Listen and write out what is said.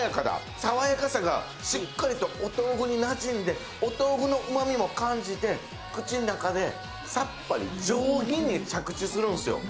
爽やかさがしっかりとお豆腐になじんでお豆腐のうまみも感じて、口の中でさっぱり上品に着地するんです。